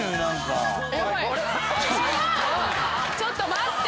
ちょっと待って！